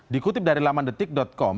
dikutip dari lamandetik com